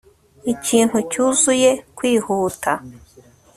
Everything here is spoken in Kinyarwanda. Ikintu cyuzuye kwihuta